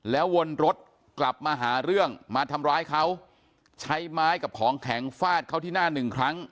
แล้ววนรถกลับมาหาเรื่องมาทำร้ายเขาใช้ไม้กับของแข็งฟาดเขาที่หน้าหนึ่งครั้ง